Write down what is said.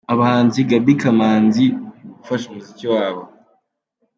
Abahanzi Gaby Kamanzi amaze gufasha mu muziki wabo.